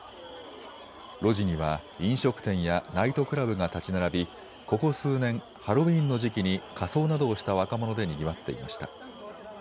路地には飲食店やナイトクラブが建ち並び、ここ数年、ハロウィーンの時期に仮装などをした若者でにぎわっていました。